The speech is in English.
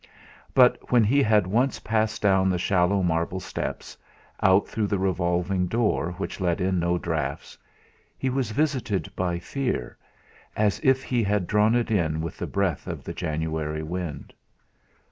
But when he had once passed down the shallow marble steps, out through the revolving door which let in no draughts, he was visited by fear, as if he had drawn it in with the breath of the January wind.